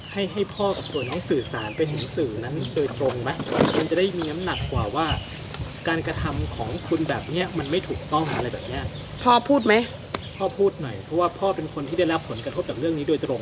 ให้ให้พ่อกับตัวน้องสื่อสารไปถึงสื่อนั้นโดยตรงไหมมันจะได้มีน้ำหนักกว่าว่าการกระทำของคุณแบบเนี้ยมันไม่ถูกต้องอะไรแบบเนี้ยพ่อพูดไหมพ่อพูดหน่อยเพราะว่าพ่อเป็นคนที่ได้รับผลกระทบจากเรื่องนี้โดยตรง